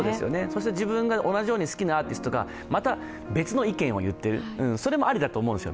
そして自分が同じように好きなアーティストがまた別の意見を言っているそれもありだと思うんですよ。